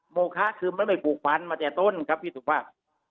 โมคะคือมันไม่ผูกพันมาแต่ต้นครับพี่สุภาพ